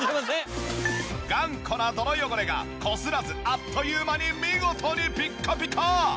頑固な泥汚れがこすらずあっという間に見事にピッカピカ！